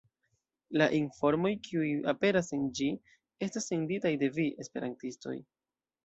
La informoj, kiuj aperas en ĝi, estas senditaj de vi, esperantistoj.